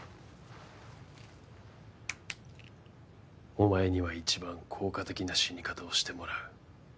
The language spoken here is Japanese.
お前には一番効果的な死に方をしてもらう。